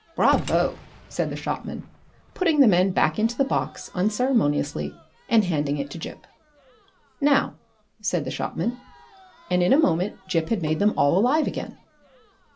"Bravo!" said the shopman, putting the men back into the box unceremoniously and handing it to Gip. "Now," said the shopman, and in a moment Gip had made them all alive again.